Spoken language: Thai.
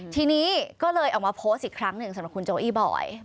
ทีนี้ก็เลยออกมาโพสต์อีกครั้งหนึ่งสำหรับคุณโจอี้บ่อย